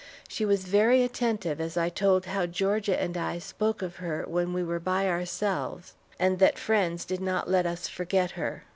She was very attentive as I told how Georgia and I spoke of her when we were by ourselves, and that friends did not let us forget her.